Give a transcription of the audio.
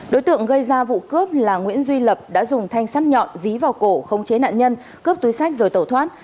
đối tượng gây ra vụ cướp là nguyễn duy lập đã dùng thanh sắt nhọn dí vào cổ không chế nạn nhân cướp túi sách rồi tẩu thoát